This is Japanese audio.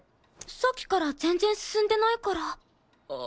さっきから全然進んでないから。